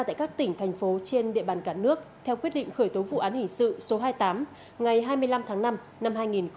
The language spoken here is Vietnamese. tại các tỉnh thành phố trên địa bàn cả nước theo quyết định khởi tố vụ án hình sự số hai mươi tám ngày hai mươi năm tháng năm năm hai nghìn một mươi chín